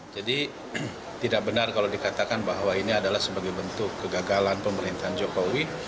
jadi tidak benar kalau dikatakan bahwa ini adalah sebagai bentuk kegagalan pemerintahan jokowi